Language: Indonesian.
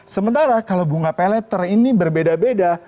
sementara kalau bunga pay letter ini berbeda beda